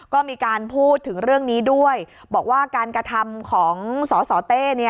ก็มีการพูดถึงเรื่องนี้ด้วยบอกว่าการกระทำของสสเต้